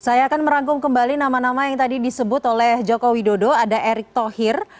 saya akan merangkum kembali nama nama yang tadi disebut oleh joko widodo ada erick thohir